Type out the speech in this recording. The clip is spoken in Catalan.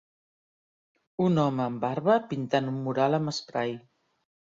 Un home amb barba pintant un mural amb esprai.